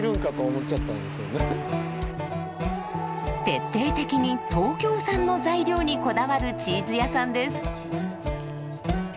徹底的に東京産の材料にこだわるチーズ屋さんです。